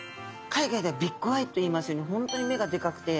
海外ではビッグアイといいますように本当に目がでかくて。